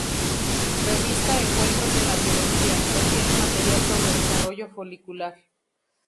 Revista "Encuentros en la biología" contiene material sobre Desarrollo folicular.